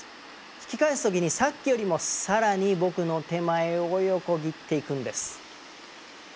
引き返す時にさっきよりも更に僕の手前を横切っていくんです。